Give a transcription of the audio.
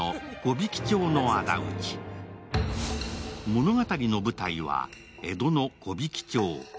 物語の舞台は江戸の木挽町。